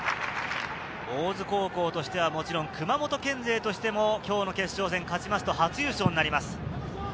大津高校としては熊本県勢としても今日の決勝戦を勝ちますと初優勝になります。